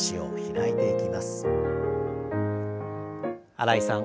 新井さん